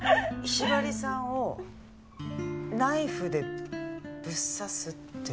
雲雀さんをナイフでぶっ刺すってこと？